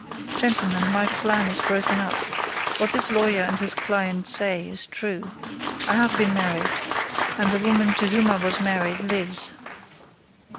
Gentlemen, my plan is broken up:—what this lawyer and his client say is true: I have been married, and the woman to whom I was married lives!